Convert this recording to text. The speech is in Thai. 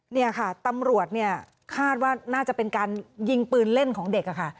เนี่ยค่ะตำรวจเนี่ยคาดว่าน่าจะเป็นการยิงปืนเล่นของเด็กค่ะ